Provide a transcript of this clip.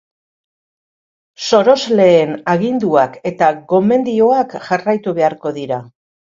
Sorosleen aginduak eta gomendioak jarraitu beharko dira.